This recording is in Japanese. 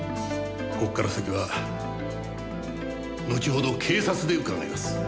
ここから先は後ほど警察で伺います。